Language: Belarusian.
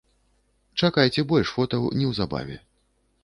Чакайце больш фотаў неўзабаве.